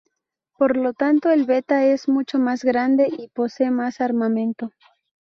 Por lo tanto, el Beta es mucho más grande y posee más armamento.